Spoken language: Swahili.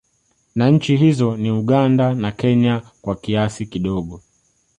Na Nchi hizo ni Uganda na Kenya kwa kiasi kidogo